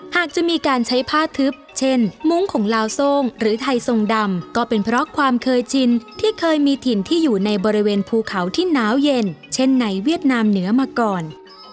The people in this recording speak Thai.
หากจะมีการใช้ผ้าทึบเช่นมุ้งของลาวโซ่งหรือไทยทรงดำก็เป็นเพราะความเคยชินที่เคยมีถิ่นที่อยู่ในบริเวณภูเขาที่หนาวเย็นเช่นในเวียดนามเหนือมาก่อน